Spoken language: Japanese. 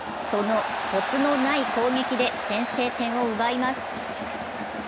そつのない攻撃で先制点を奪います。